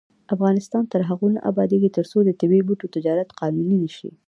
افغانستان تر هغو نه ابادیږي، ترڅو د طبیعي بوټو تجارت قانوني نشي.